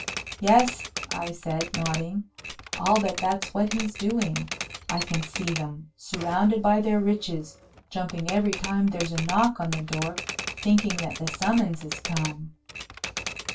"Yes," I said, nodding. "I'll bet that's what he's doing. I can see them, surrounded by their riches, jumping every time there's a knock on the door, thinking that the summons has come."